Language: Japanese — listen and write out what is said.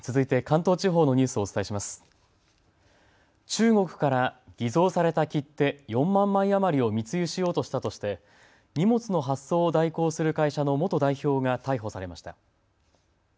中国から偽造された切手４万枚余りを密輸しようとしたとして荷物の発送を代行する会社の元代表が逮捕されました。